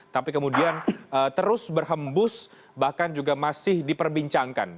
tapi kemudian terus berhembus bahkan juga masih diperbincangkan